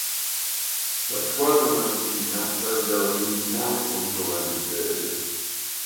La squadra marocchina perde la semifinale contro la Nigeria.